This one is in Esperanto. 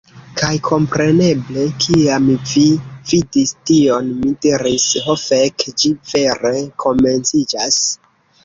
Kaj kompreneble kiam vi vidis tion mi diris, "Ho fek'! Ĝi vere komenciĝas!"